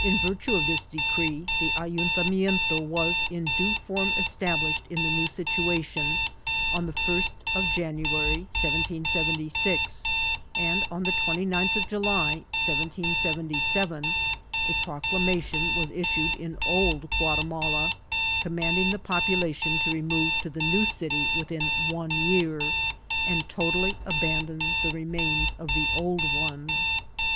In virtue of this decree, the ayuntamiento was in due form established in the new situation on the 1st of January, 1776 ; and on the 39th of July, 1777, a proclamation was issued^ Old Guatimala, commanding the population to remove to the new city within one year, and totally abandon the remains of the old one.''